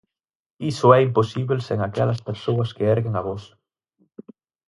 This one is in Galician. Iso é imposíbel sen aquelas persoas que erguen a voz.